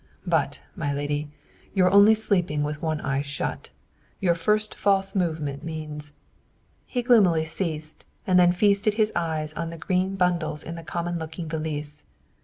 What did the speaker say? "But, my lady, you are only sleeping with one eye shut. Your first false movement means" He gloomily ceased, and then feasted his eyes on the green bundles in the common looking valise.